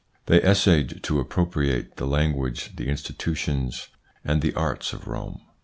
They essayed to appropriate the language, the institutions and the arts of Rome.